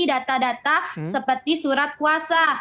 data data seperti surat kuasa